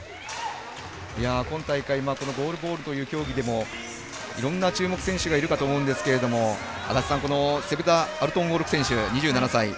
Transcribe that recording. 今大会ゴールボールという競技でもいろんな注目選手がいるかと思うんですけれどもセブダ・アルトゥンオルク選手２７歳。